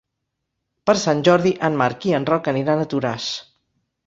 Per Sant Jordi en Marc i en Roc aniran a Toràs.